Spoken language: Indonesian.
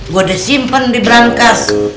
gue udah simpen diberangkas